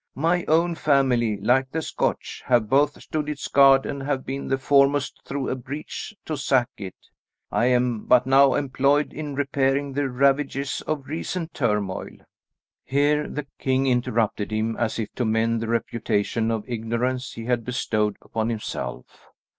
My own family, like the Scotch, have both stood its guard and have been the foremost through a breach to sack it. I am but now employed in repairing the ravages of recent turmoil." Here the King interrupted him, as if to mend the reputation of ignorance he had bestowed upon himself.